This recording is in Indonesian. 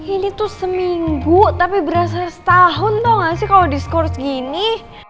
ini tuh seminggu tapi berasal setahun tau gak sih kalo diskurs gini